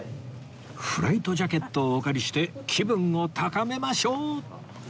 フライトジャケットをお借りして気分を高めましょう！